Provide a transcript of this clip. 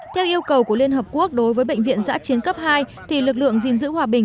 theo yêu cầu của liên hợp quốc đối với bệnh viện giã chiến cấp hai thì lực lượng gìn giữ hòa bình